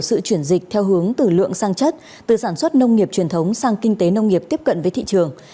sự chuyển dịch theo hướng từ lượng sang chất từ sản xuất nông nghiệp truyền thống sang kinh tế nông nghiệp tiếp cận với thị trường